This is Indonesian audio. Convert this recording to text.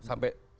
sampai hari ini